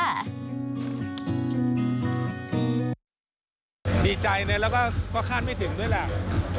ดีใจเลยแล้วก็คาดไม่ถึงด้วยแหละ